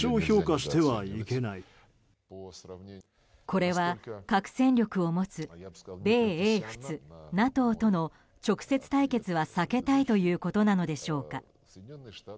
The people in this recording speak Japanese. これは核戦力を持つ米英仏、ＮＡＴＯとの直接対決は避けたいということなのでしょうか。